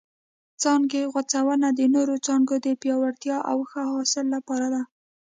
څانګې غوڅونه د نورو څانګو د پیاوړتیا او ښه حاصل لپاره ده.